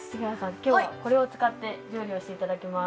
今日はこれを使って料理をしていただきます。